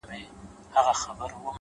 ده څومره ارزاني ستا په لمن کي جانانه